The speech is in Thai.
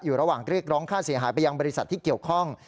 ระหว่างเรียกร้องค่าเสียหายไปยังบริษัทที่เกี่ยวข้อง